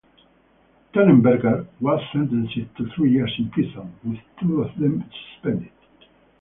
Tannenberger was sentenced to three years in prison, with two of them suspended.